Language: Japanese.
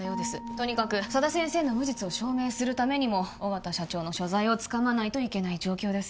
とにかく佐田先生の無実を証明するためにも緒方社長の所在をつかまないといけない状況です